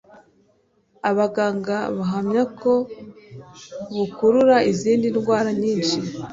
abaganga bahamya ko bukurura izindi ndwara nyinshi